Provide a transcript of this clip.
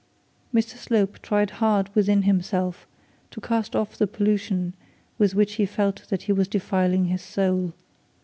Mr Slope tried hard within himself to cast off the pollution with which he felt that he was defiling his soul.